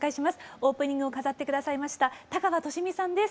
オープニングを飾って下さいました田川寿美さんです。